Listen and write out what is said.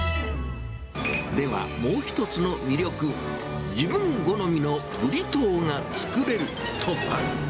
では、もう１つの魅力、自分好みのブリトーが作れるとは？